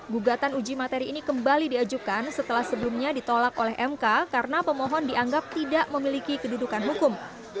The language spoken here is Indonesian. gugatan uji materi ini kembali diajukan setelah sebelumnya ditolak oleh mk karena pemohon dianggap tidak memiliki kedudukan hukum